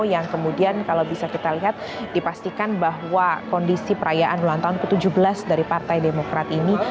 yang kemudian kalau bisa kita lihat dipastikan bahwa kondisi perayaan ulang tahun ke tujuh belas dari partai demokrat ini